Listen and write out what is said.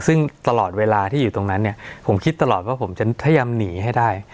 ซึ่งตลอดเวลาที่อยู่ตรงนั้นเนี่ยผมคิดตลอดว่าผมจะพยายามหนีให้ได้